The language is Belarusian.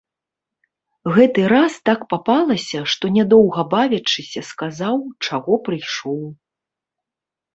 Гэты раз так папалася, што не доўга бавячыся сказаў, чаго прыйшоў.